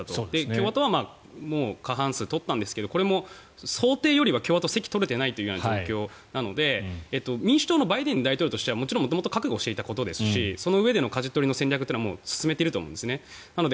共和党は過半数を取ったんですがこれも想定よりは共和党、席を取れていないという状況なので民主党のバイデン大統領としてはもちろん元々覚悟していたことですしそのうえでのかじ取りの戦略というのは進めていると思うんですね。